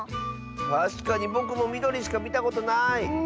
たしかにぼくもみどりしかみたことない。